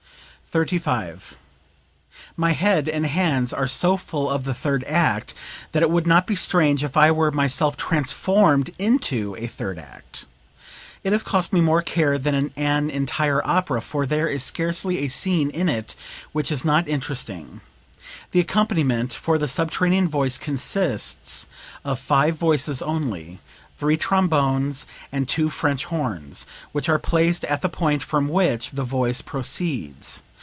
35. "My head and hands are so full of the third act that it would not be strange if I were myself transformed into a third act. It has cost me more care than an entire opera, for there is scarcely a scene in it which is not interesting. The accompaniment for the subterranean voice consists of five voices only three trombones and two French horns, which are placed at the point from which the voice proceeds.